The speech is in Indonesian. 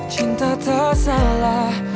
cinta tak salah